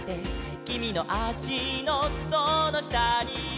「きみのあしのそのしたには」